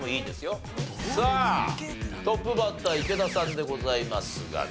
さあトップバッター池田さんでございますがね。